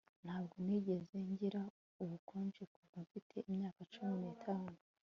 Ntabwo nigeze ngira ubukonje kuva mfite imyaka cumi nitanu